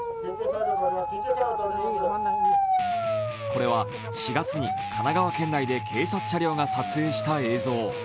これは４月に神奈川県内で警察車両が撮影した映像。